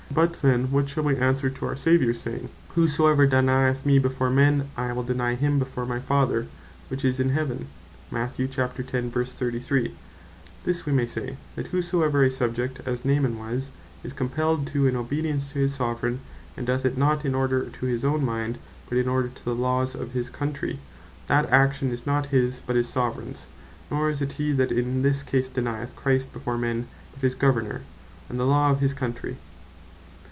But then what shall we answer to our Saviours saying, "Whosoever denyeth me before men, I will deny him before my Father which is in Heaven?" This we may say, that whatsoever a Subject, as Naaman was, is compelled to in obedience to his Soveraign, and doth it not in order to his own mind, but in order to the laws of his country, that action is not his, but his Soveraigns; nor is it he that in this case denyeth Christ before men, but his Governour, and the law of his countrey.